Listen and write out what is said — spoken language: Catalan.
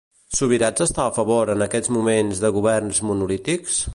Subirats està a favor, en aquests moments, de governs monolítics?